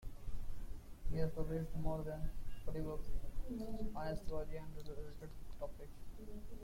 He has published more than forty books on astrology and related topics.